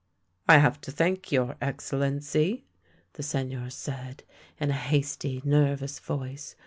" I have to thank your Excellency," the Seigneur said in a hasty nervous voice.